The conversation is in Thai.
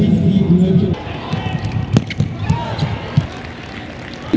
อัศวินธรรมชาติ